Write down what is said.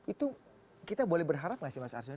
itu kita boleh berharap gak sih mas arswendo